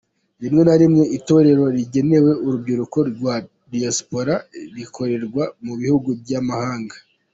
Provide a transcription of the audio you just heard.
Rimwe na rimwe itorero rigenewe urubyiruko rwa diyasipora rikorerwa mu bihugu by’amahanga.